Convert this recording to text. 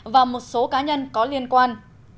và một số cá nhân có liên quan